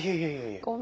ごめん。